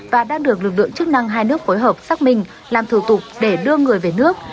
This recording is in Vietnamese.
và đang được lực lượng chức năng hai nước phối hợp xác minh làm thủ tục để đưa người về nước